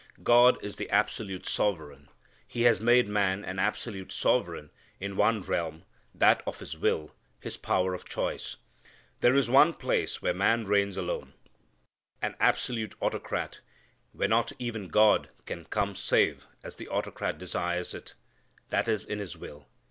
God is the absolute sovereign. He has made man an absolute sovereign in one realm, that of his will, his power of choice. There is one place where man reigns alone, an absolute autocrat, where not even God can come save as the autocrat desires it, that is in his will.